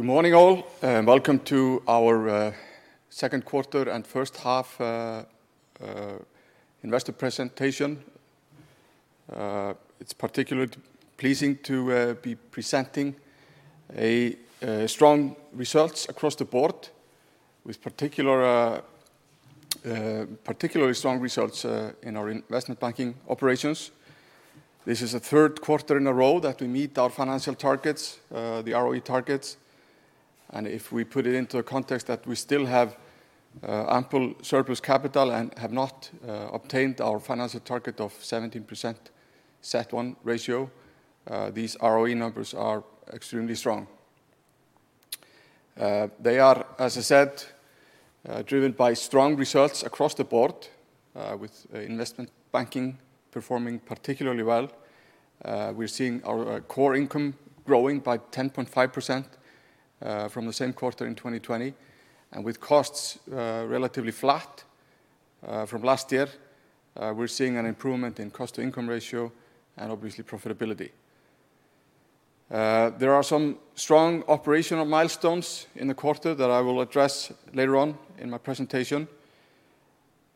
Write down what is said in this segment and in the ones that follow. Good morning all, welcome to our second quarter and first half investor presentation. It's particularly pleasing to be presenting strong results across the board, with particularly strong results in our investment banking operations. This is the third quarter in a row that we meet our financial targets, the ROE targets, if we put it into a context that we still have ample surplus capital and have not obtained our financial target of 17% CET1 ratio, these ROE numbers are extremely strong. They are, as I said, driven by strong results across the board, with investment banking performing particularly well. We're seeing our core income growing by 10.5% from the same quarter in 2020, with costs relatively flat from last year, we're seeing an improvement in cost-to-income ratio and obviously profitability. There are some strong operational milestones in the quarter that I will address later on in my presentation.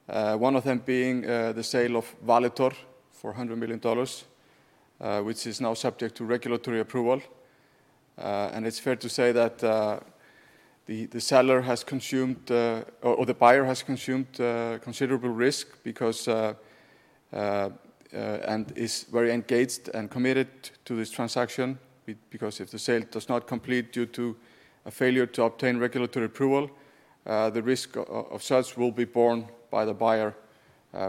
One of them being the sale of Valitor for $100 million, which is now subject to regulatory approval. It's fair to say that the buyer has consumed considerable risk and is very engaged and committed to this transaction because if the sale does not complete due to a failure to obtain regulatory approval, the risk of such will be borne by the buyer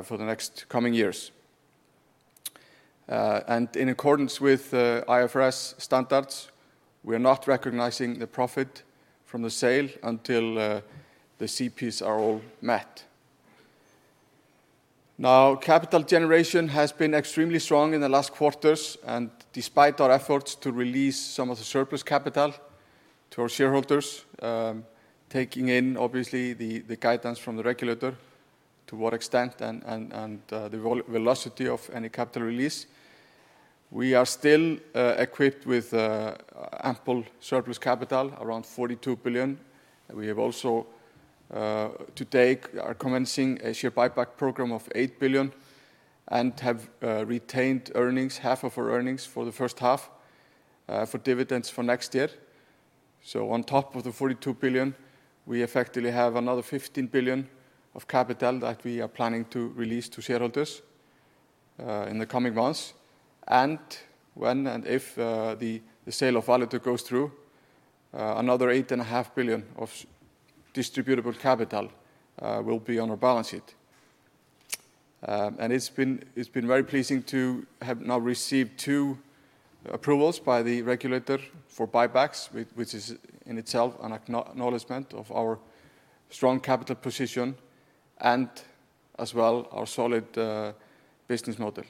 for the next coming years. In accordance with IFRS standards, we are not recognizing the profit from the sale until the CPs are all met. Capital generation has been extremely strong in the last quarters, despite our efforts to release some of the surplus capital to our shareholders, taking in obviously the guidance from the regulator to what extent and the velocity of any capital release, we are still equipped with ample surplus capital, around 42 billion. We are also today commencing a share buyback program of 8 billion and have retained half of our earnings for the first half for dividends for next year. On top of the 42 billion, we effectively have another 15 billion of capital that we are planning to release to shareholders in the coming months. When and if the sale of Valitor goes through, another 8.5 billion of distributable capital will be on our balance sheet. It's been very pleasing to have now received two approvals by the regulator for buybacks, which is in itself an acknowledgment of our strong capital position and as well our solid business model.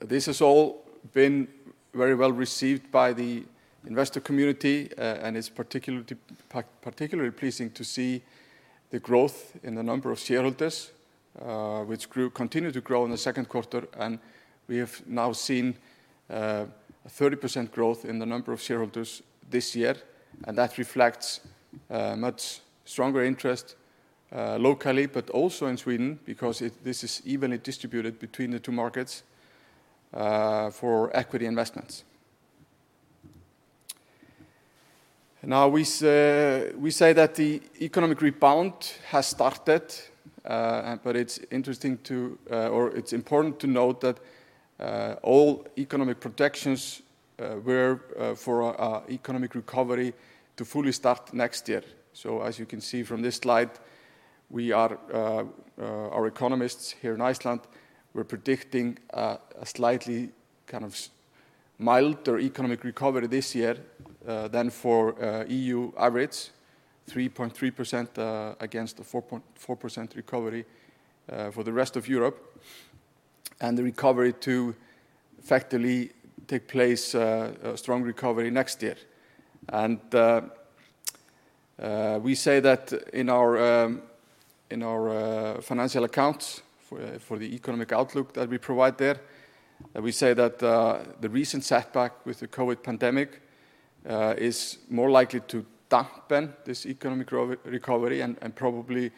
This has all been very well received by the investor community, and it's particularly pleasing to see the growth in the number of shareholders which continue to grow in the second quarter. We have now seen a 30% growth in the number of shareholders this year, and that reflects a much stronger interest locally, but also in Sweden because this is evenly distributed between the two markets for equity investments. Now, we say that the economic rebound has started, but it's important to note that all economic projections were for our economic recovery to fully start next year. As you can see from this slide, our economists here in Iceland were predicting a slightly milder economic recovery this year than for EU average, 3.3% against the 4% recovery for the rest of Europe, and the recovery to effectively take place, a strong recovery, next year. We say that in our financial accounts for the economic outlook that we provide there, we say that the recent setback with the COVID-19 pandemic is more likely to dampen this economic recovery and probably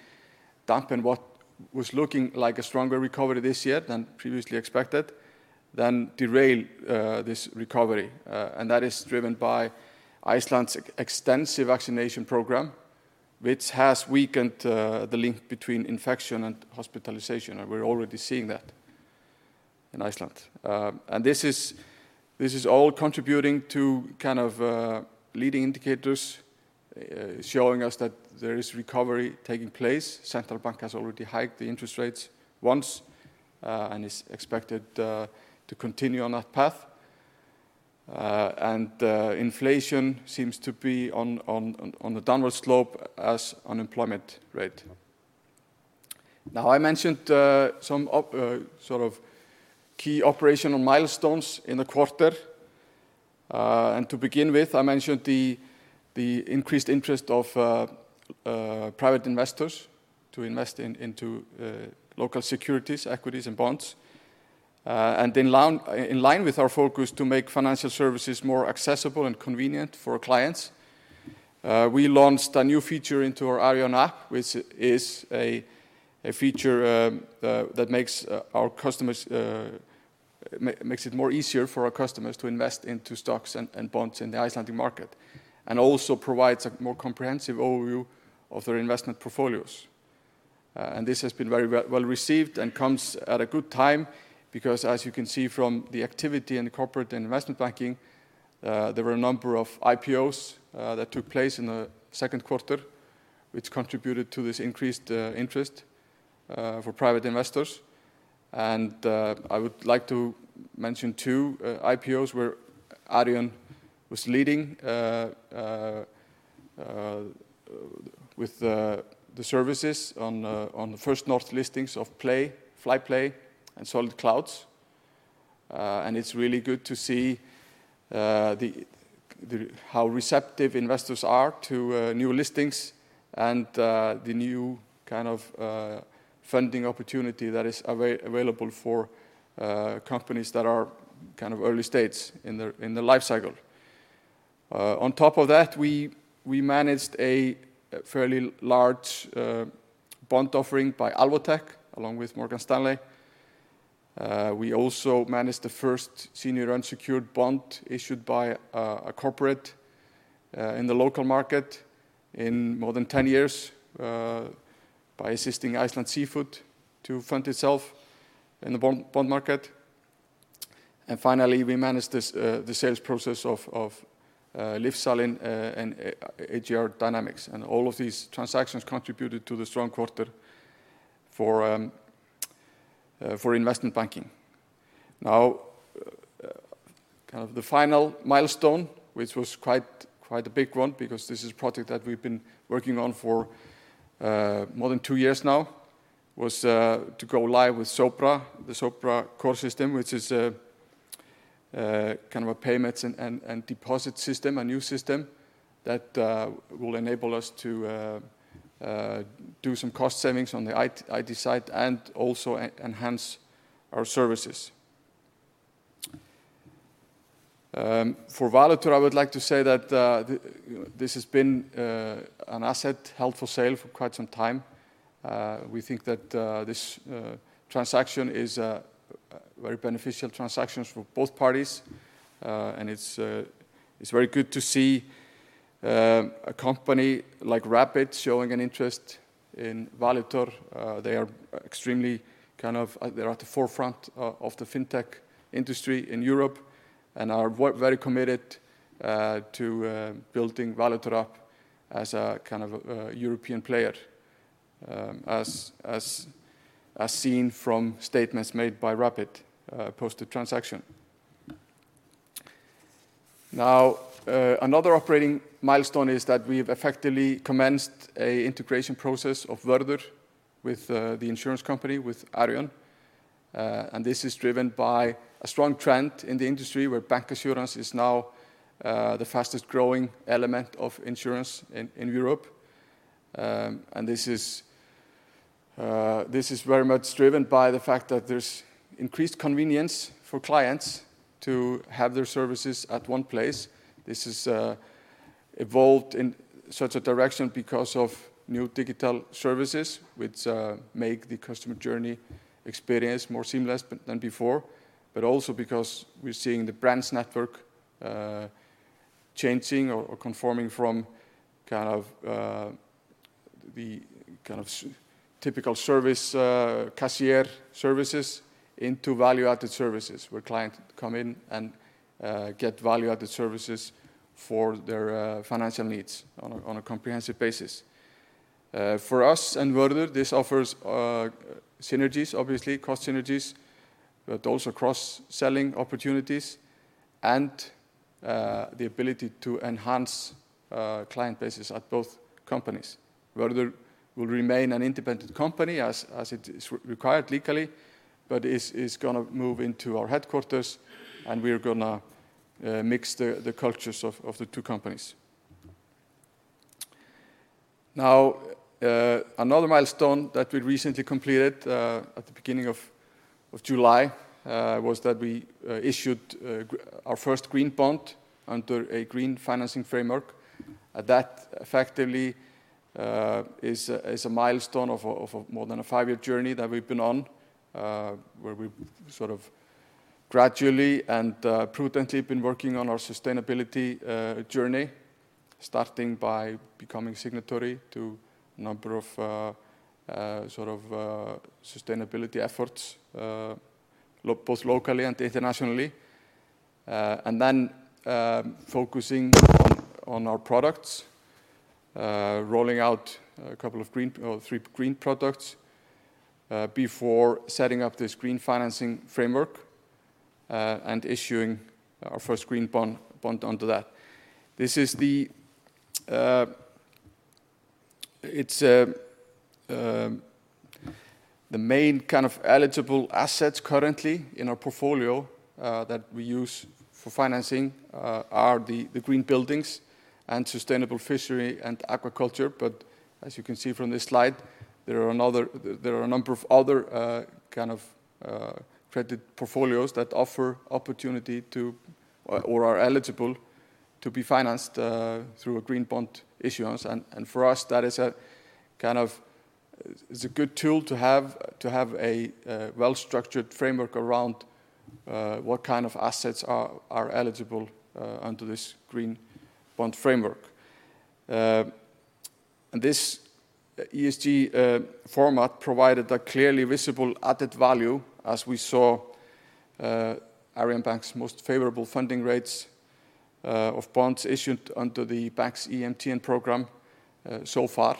dampen what was looking like a stronger recovery this year than previously expected than derail this recovery. That is driven by Iceland's extensive vaccination program, which has weakened the link between infection and hospitalization, and we're already seeing that in Iceland. This is all contributing to leading indicators showing us that there is recovery taking place. Central Bank has already hiked the interest rates once and is expected to continue on that path. Inflation seems to be on the downward slope as unemployment rate. Now, I mentioned some key operational milestones in the quarter. To begin with, I mentioned the increased interest of private investors to invest into local securities, equities, and bonds. In line with our focus to make financial services more accessible and convenient for our clients, we launched a new feature into our Arion app, which is a feature that makes it easier for our customers to invest into stocks and bonds in the Icelandic market, and also provides a more comprehensive overview of their investment portfolios. This has been very well received and comes at a good time because as you can see from the activity in the corporate and investment banking, there were a number of IPOs that took place in the second quarter, which contributed to this increased interest for private investors. I would like to mention two IPOs where Arion was leading with the services on the First North listings of PLAY and Solid Clouds. It's really good to see how receptive investors are to new listings and the new kind of funding opportunity that is available for companies that are kind of early stages in their life cycle. On top of that, we managed a fairly large bond offering by Alvotech along with Morgan Stanley. We also managed the first senior unsecured bond issued by a corporate in the local market in more than 10 years by assisting Iceland Seafood to fund itself in the bond market. Finally, we managed the sales process of Lyfsalinn and AGR Dynamics. All of these transactions contributed to the strong quarter for investment banking. Kind of the final milestone, which was quite a big one because this is a project that we've been working on for more than two years now, was to go live with Sopra, the Sopra core system, which is kind of a payments and deposit system, a new system that will enable us to do some cost savings on the IT side and also enhance our services. For Valitor, I would like to say that this has been an asset held for sale for quite some time. We think that this transaction is a very beneficial transaction for both parties. It's very good to see a company like Rapyd showing an interest in Valitor. They're at the forefront of the fintech industry in Europe and are very committed to building Valitor up as a kind of European player, as seen from statements made by Rapyd post the transaction. Now, another operating milestone is that we've effectively commenced an integration process of Vörður with the insurance company, with Arion. This is driven by a strong trend in the industry where bancassurance is now the fastest growing element of insurance in Europe. This is very much driven by the fact that there's increased convenience for clients to have their services at one place. This has evolved in such a direction because of new digital services which make the customer journey experience more seamless than before, but also because we're seeing the brands network changing or conforming from kind of the typical service cashier services into value-added services where clients come in and get value-added services for their financial needs on a comprehensive basis. For us and Vörður, this offers synergies, obviously cost synergies, but also cross-selling opportunities and the ability to enhance client bases at both companies. Vörður will remain an independent company as it is required legally, but is going to move into our headquarters and we are going to mix the cultures of the two companies. Now, another milestone that we recently completed at the beginning of July was that we issued our first green bond under a green financing framework. That effectively is a milestone of a more than a five-year journey that we've been on, where we've sort of gradually and prudently been working on our sustainability journey, starting by becoming signatory to a number of sort of sustainability efforts both locally and internationally. Then focusing on our products, rolling out three green products before setting up this green financing framework and issuing our first green bond under that. This is The main eligible assets currently in our portfolio that we use for financing are the green buildings and sustainable fishery and aquaculture. As you can see from this slide, there are a number of other credit portfolios that offer opportunity to, or are eligible to be financed through a green bond issuance. For us, that is a good tool to have a well-structured framework around what kind of assets are eligible under this green bond framework. This ESG format provided a clearly visible added value as we saw Arion Bank's most favorable funding rates of bonds issued under the Bank's EMTN program so far.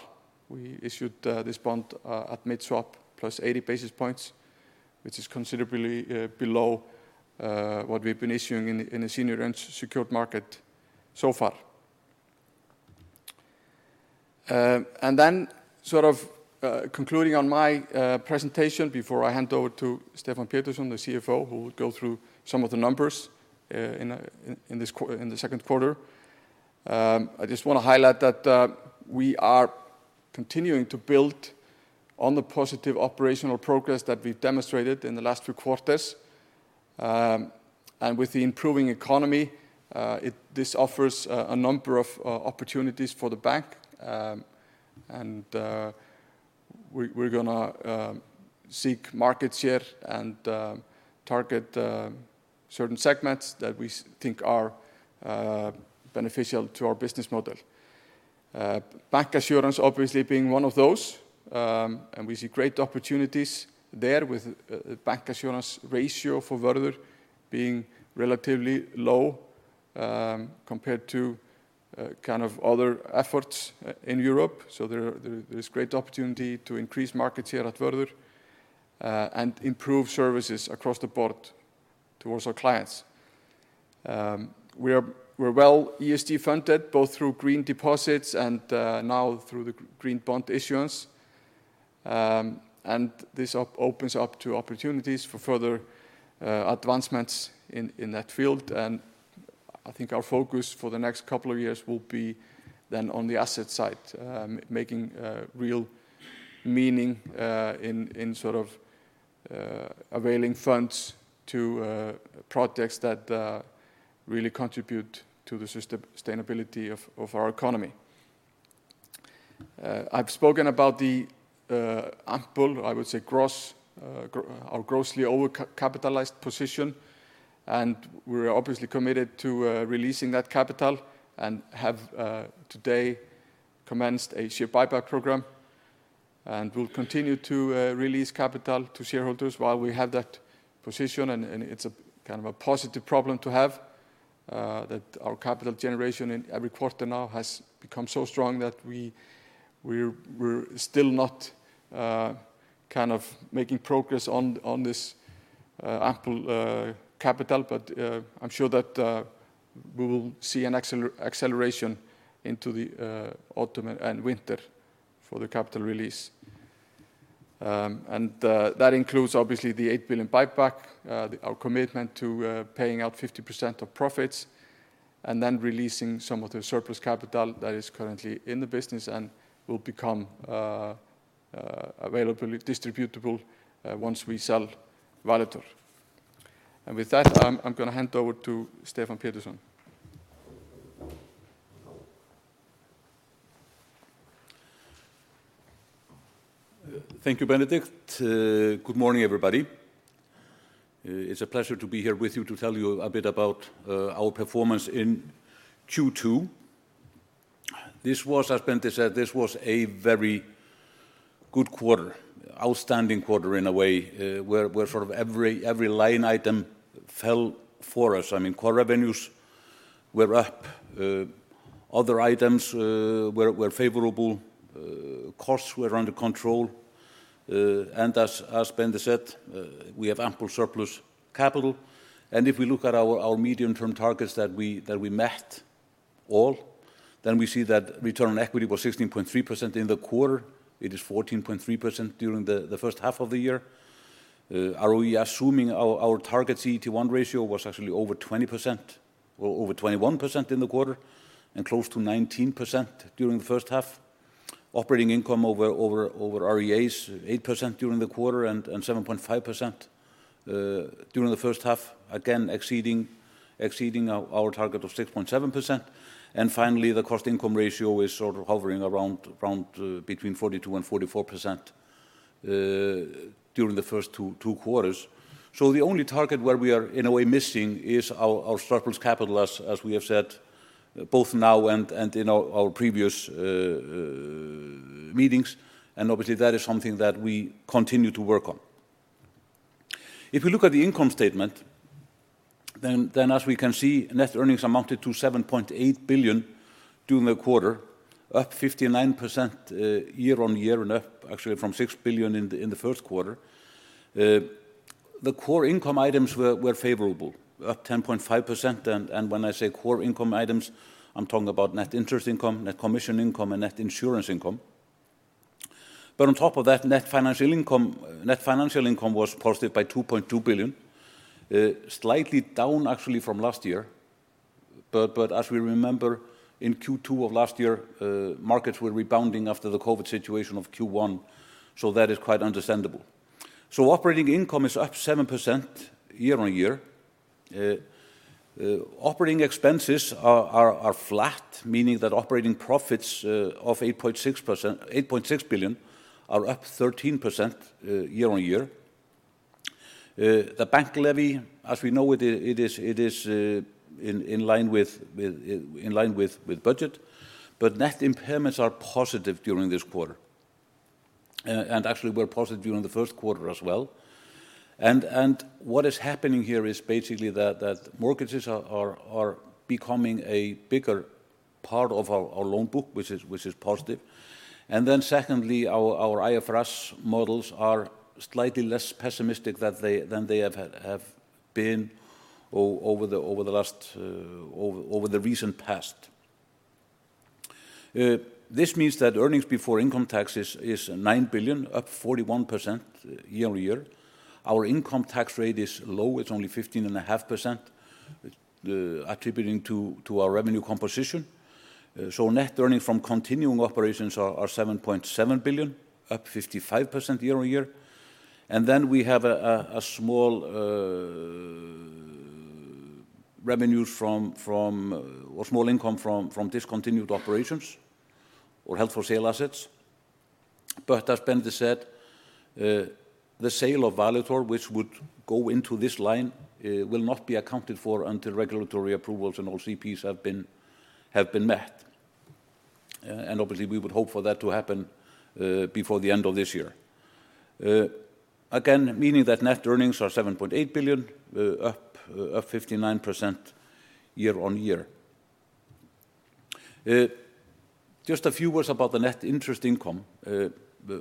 We issued this bond at mid-swap plus 80 basis points, which is considerably below what we've been issuing in the senior unsecured market so far. Concluding on my presentation before I hand over to Stefán Pétursson, the CFO, who will go through some of the numbers in the second quarter. I just want to highlight that we are continuing to build on the positive operational progress that we've demonstrated in the last few quarters. With the improving economy, this offers a number of opportunities for the bank. We're going to seek market share and target certain segments that we think are beneficial to our business model. Bancassurance obviously being one of those, and we see great opportunities there with bancassurance ratio for Vörður being relatively low compared to other efforts in Europe. There is great opportunity to increase market share at Vörður and improve services across the board towards our clients. We're well ESG funded, both through green deposits and now through the green bond issuance. This opens up to opportunities for further advancements in that field. I think our focus for the next couple of years will be then on the asset side, making real meaning in availing funds to projects that really contribute to the sustainability of our economy. I've spoken about the ample, I would say our grossly overcapitalized position. We're obviously committed to releasing that capital and have today commenced a share buyback program and will continue to release capital to shareholders while we have that position. It's a positive problem to have that our capital generation in every quarter now has become so strong that we're still not making progress on this ample capital. I'm sure that we will see an acceleration into the autumn and winter for the capital release. That includes obviously the $8 billion buyback, our commitment to paying out 50% of profits, then releasing some of the surplus capital that is currently in the business and will become available distributable once we sell Valitor. With that, I'm going to hand over to Stefán Pétursson. Thank you, Benedikt. Good morning, everybody. It is a pleasure to be here with you to tell you a bit about our performance in Q2. As Benedikt said, this was a very good quarter, outstanding quarter in a way, where every line item fell for us. Core revenues were up, other items were favorable, costs were under control. As Benedikt said, we have ample surplus capital. If we look at our medium-term targets that we met all, then we see that return on equity was 16.3% in the quarter. It is 14.3% during the first half of the year. ROE assuming our target CET1 ratio was actually over 21% in the quarter and close to 19% during the first half. Operating income over RWAs, 8% during the quarter and 7.5% during the first half, again exceeding our target of 6.7%. Finally, the cost income ratio is hovering around between 42% and 44% during the first two quarters. The only target where we are in a way missing is our surplus capital as we have said both now and in our previous meetings. Obviously, that is something that we continue to work on. If we look at the income statement, as we can see, net earnings amounted to 7.8 billion during the quarter, up 59% year-on-year and up actually from 6 billion in the first quarter. The core income items were favorable, up 10.5%. When I say core income items, I'm talking about net interest income, net commission income, and net insurance income. On top of that, net financial income was positive by 2.2 billion. Slightly down actually from last year, but as we remember, in Q2 of last year, markets were rebounding after the COVID-19 situation of Q1, that is quite understandable. Operating income is up 7% year-on-year. Operating expenses are flat, meaning that operating profits of 8.6 billion are up 13% year-on-year. The bank levy, as we know, it is in line with budget. Net impairments are positive during this quarter, and actually were positive during the first quarter as well. What is happening here is basically that mortgages are becoming a bigger part of our loan book, which is positive. Secondly, our IFRS models are slightly less pessimistic than they have been over the recent past. This means that earnings before income taxes is 9 billion, up 41% year-over-year. Our income tax rate is low. It's only 15.5%, attributing to our revenue composition. Net earnings from continuing operations are 7.7 billion, up 55% year-over-year. Then we have a small revenues or small income from discontinued operations or held-for-sale assets. As Bendi said, the sale of Valitor, which would go into this line, will not be accounted for until regulatory approvals and all CPs have been met. Obviously, we would hope for that to happen before the end of this year. Again, meaning that net earnings are 7.8 billion, up 59% year-on-year. Just a few words about the net interest income,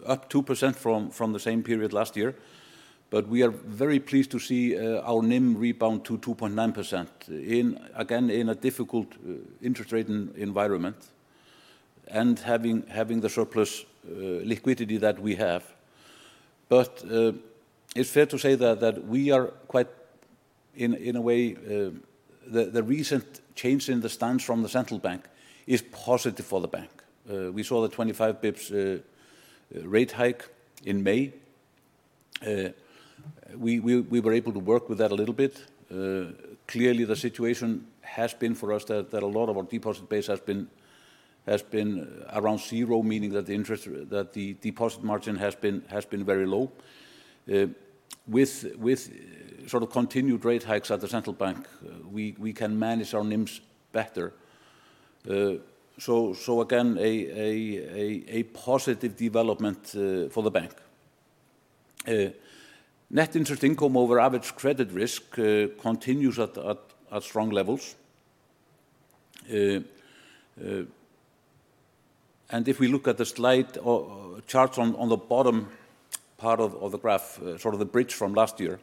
up 2% from the same period last year, but we are very pleased to see our NIM rebound to 2.9%, again, in a difficult interest rate environment and having the surplus liquidity that we have. It's fair to say that the recent change in the stance from the Central Bank is positive for the bank. We saw the 25 basis points rate hike in May. We were able to work with that a little bit. Clearly, the situation has been for us that a lot of our deposit base has been around zero, meaning that the deposit margin has been very low. With continued rate hikes at the Central Bank of, we can manage our NIMs better. Again, a positive development for the bank. Net interest income over average credit risk continues at strong levels. If we look at the chart on the bottom part of the graph, the bridge from last year,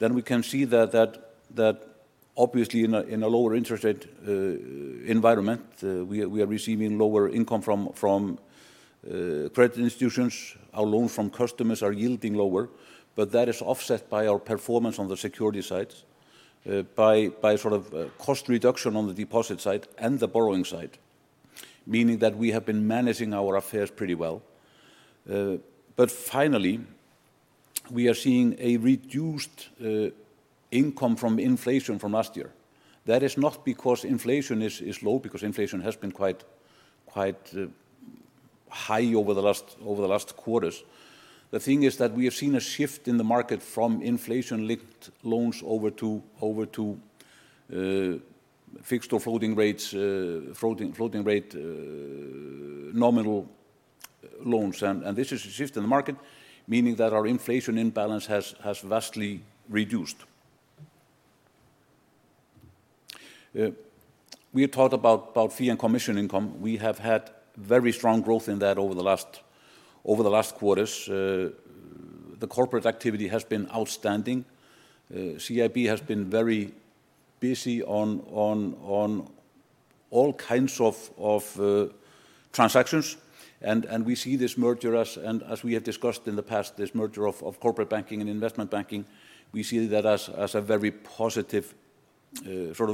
we can see that obviously in a lower interest rate environment, we are receiving lower income from credit institutions. Our loans from customers are yielding lower, but that is offset by our performance on the security side, by cost reduction on the deposit side and the borrowing side, meaning that we have been managing our affairs pretty well. Finally, we are seeing a reduced income from inflation from last year. That is not because inflation is low, because inflation has been quite high over the last quarters. The thing is that we have seen a shift in the market from inflation-linked loans over to fixed or floating rate nominal loans. This is a shift in the market, meaning that our inflation imbalance has vastly reduced. We have talked about fee and commission income. We have had very strong growth in that over the last quarters. The corporate activity has been outstanding. CIB has been very busy on all kinds of transactions. We see this merger, as we have discussed in the past, this merger of corporate banking and investment banking, we see that as a very positive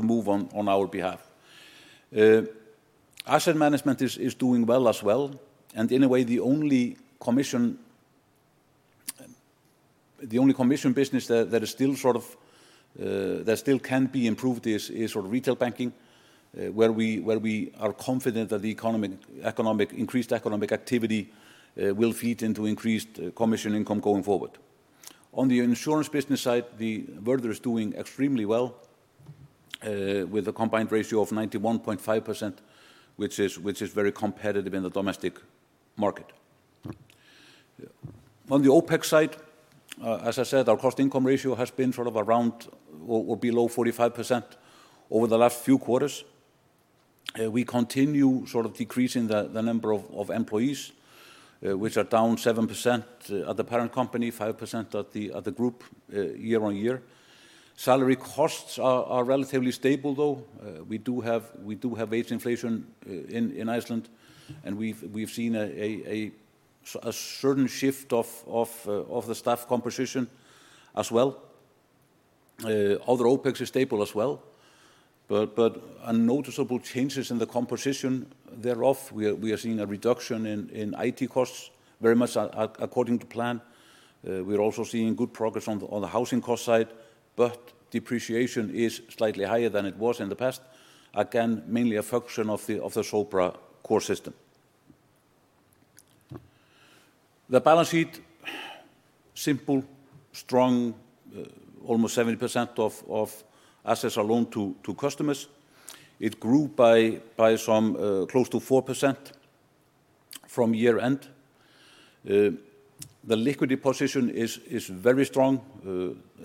move on our behalf. Asset management is doing well as well. In a way, the only commission business that still can be improved is retail banking, where we are confident that the increased economic activity will feed into increased commission income going forward. On the insurance business side, Vörður is doing extremely well with a combined ratio of 91.5%, which is very competitive in the domestic market. On the OPEX side, as I said, our cost income ratio has been around or below 45% over the last few quarters. We continue decreasing the number of employees, which are down 7% at the parent company, 5% at the group year-on-year. Salary costs are relatively stable, though. We do have wage inflation in Iceland, and we've seen a certain shift of the staff composition as well. Other OPEX is stable as well, but noticeable changes in the composition thereof. We are seeing a reduction in IT costs very much according to plan. We are also seeing good progress on the housing cost side, but depreciation is slightly higher than it was in the past. Again, mainly a function of the Sopra core system. The balance sheet, simple, strong, almost 70% of assets are loans to customers. It grew by close to 4% from year end. The liquidity position is very strong.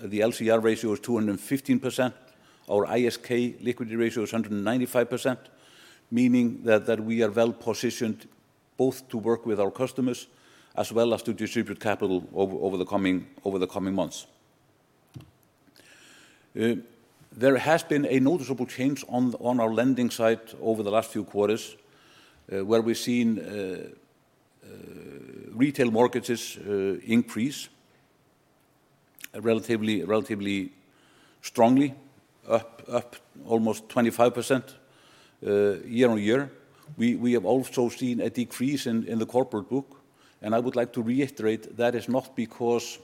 The LCR ratio is 215%. Our ISK liquidity ratio is 195%, meaning that we are well-positioned both to work with our customers as well as to distribute capital over the coming months. There has been a noticeable change on our lending side over the last few quarters, where we've seen retail mortgages increase relatively strongly, up almost 25% year-over-year. We have also seen a decrease in the corporate book. I would like to reiterate that is not because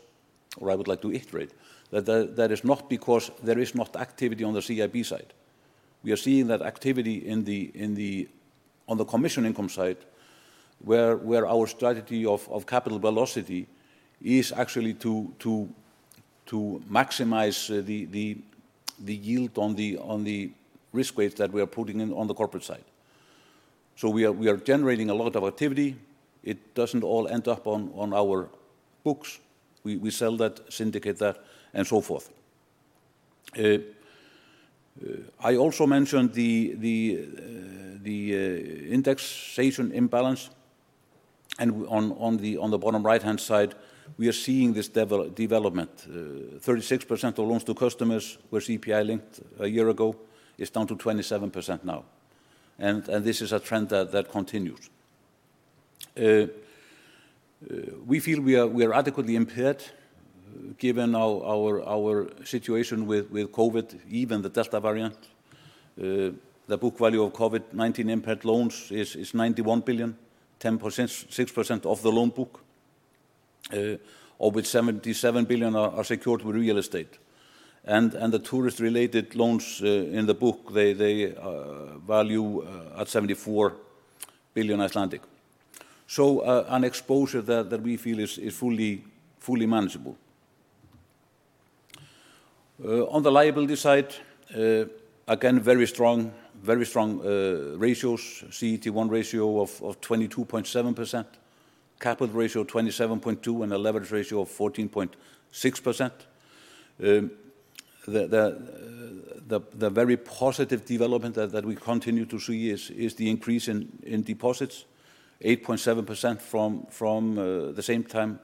there is not activity on the CIB side. We are seeing that activity on the commission income side where our strategy of capital velocity is actually to maximize the yield on the risk weights that we are putting in on the corporate side. We are generating a lot of activity. It doesn't all end up on our books. We sell that, syndicate that, and so forth. I also mentioned the indexation imbalance. On the bottom right-hand side, we are seeing this development. 36% of loans to customers were CPI-linked a year ago. It's down to 27% now. This is a trend that continues. We feel we are adequately impaired given our situation with COVID-19, even the Delta variant. The book value of COVID-19 impaired loans is 91 billion, 6% of the loan book, of which 77 billion are secured with real estate. The tourist-related loans in the book value at 74 billion. An exposure that we feel is fully manageable. On the liability side, again, very strong ratios. CET1 ratio of 22.7%, capital ratio 27.2%, and a leverage ratio of 14.6%. The very positive development that we continue to see is the increase in deposits, 8.7% from the same time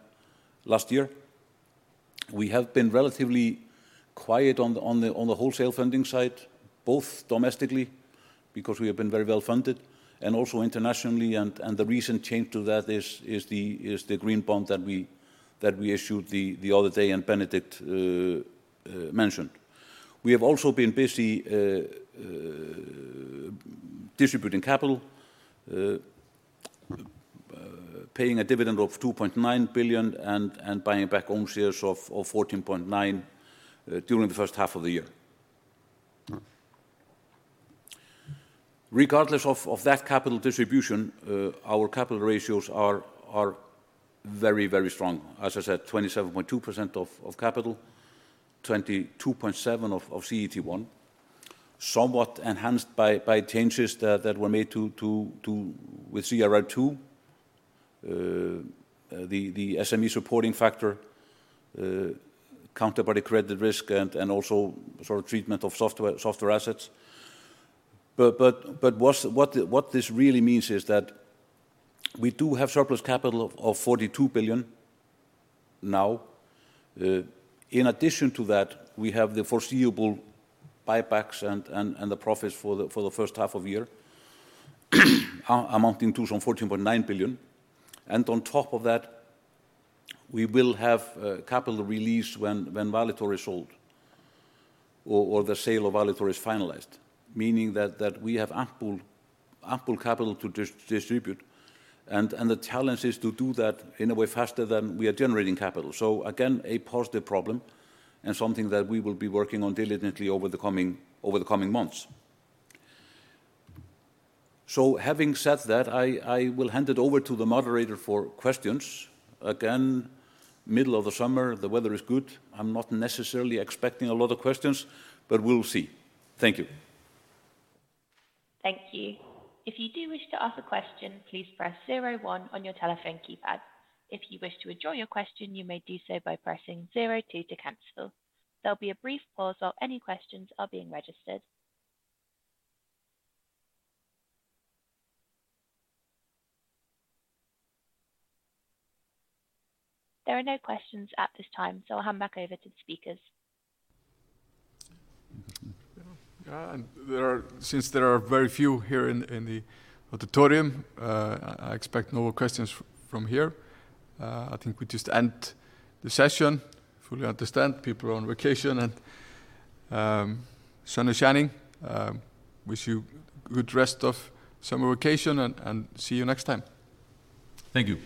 last year. We have been relatively quiet on the wholesale funding side, both domestically because we have been very well funded and also internationally, the recent change to that is the green bond that we issued the other day and Benedikt mentioned. We have also been busy distributing capital, paying a dividend of 2.9 billion and buying back own shares of 14.9 billion during the first half of the year. Regardless of that capital distribution, our capital ratios are very strong. As I said, 27.2% of capital, 22.7% of CET1, somewhat enhanced by changes that were made with CRR II, the SME supporting factor, counterparty credit risk, and also treatment of software assets. What this really means is that we do have surplus capital of 42 billion now. In addition to that, we have the foreseeable buybacks and the profits for the first half of the year amounting to some 14.9 billion. On top of that, we will have capital release when Valitor is sold or the sale of Valitor is finalized, meaning that we have ample capital to distribute and the challenge is to do that in a way faster than we are generating capital. Again, a positive problem and something that we will be working on diligently over the coming months. Having said that, I will hand it over to the moderator for questions. Again, middle of the summer, the weather is good. I'm not necessarily expecting a lot of questions, but we'll see. Thank you. Thank you. If you do wish to ask a question, please press zero one on your telephone keypad. If you wish to withdraw your question, you may do so by pressing zero two to cancel. There'll be a brief pause while any questions are being registered. There are no questions at this time, so I'll hand back over to the speakers. Yeah, since there are very few here in the auditorium, I expect no questions from here. I think we just end the session. Fully understand people are on vacation and sun is shining. Wish you good rest of summer vacation and see you next time. Thank you.